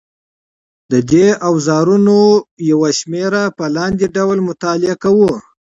د دې اوزارونو یوه شمېره په لاندې ډول مطالعه کوو.